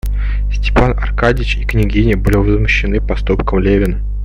Степан Аркадьич и княгиня были возмущены поступком Левина.